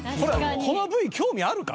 このＶ興味あるか？